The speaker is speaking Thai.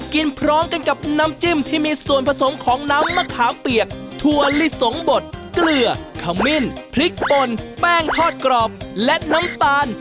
กินพร้อมกันกับน้ำจิ้มที่มีส่วนผสมของน้ำมะขามเปียกถั่วลิสงบดเกลือขมิ้นพริกป่นแป้งทอดกรอบและน้ำตาล